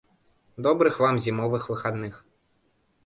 Добрых вам зімовых выхадных.